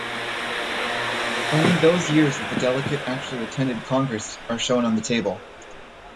Only those years that the delegate actually attended Congress are shown on the table.